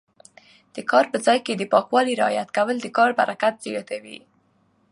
د کار په ځای کې د پاکوالي رعایت کول د کار برکت زیاتوي.